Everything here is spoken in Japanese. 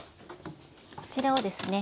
こちらをですね